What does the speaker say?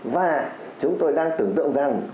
và chúng tôi đang tưởng tượng rằng